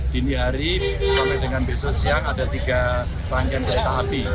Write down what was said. dini hari sampai dengan besok siang ada tiga rangkaian kereta api